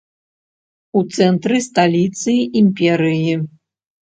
У цэнтры сталіцы імперыі.